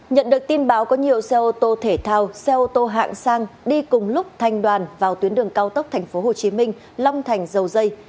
nhận được tin báo có nhiều xe ô tô thể thao xe ô tô hạng sang đi cùng lúc thành đoàn vào tuyến đường cao tốc tp hcm long thành dầu dây